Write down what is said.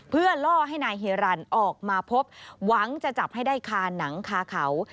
เพื่อล่อให้นายเฮรันออกมาพบหวังจะจับให้ได้คาหนังคาเขา